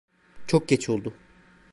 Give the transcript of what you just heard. Çok geç oldu.